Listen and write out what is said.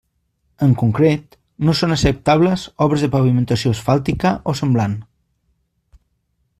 En concret, no són acceptables obres de pavimentació asfàltica o semblant.